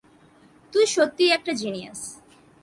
তুই সত্যিই একটা জিনিয়াস।